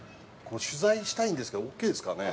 取材したいんですけど、オーケーですかね。